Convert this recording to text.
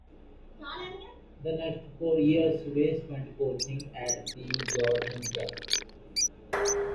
The next four years were spent coaching at Georgia Tech.